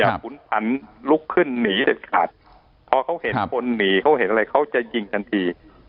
ขุนผันลุกขึ้นหนีเด็ดขาดพอเขาเห็นคนหนีเขาเห็นอะไรเขาจะยิงทันที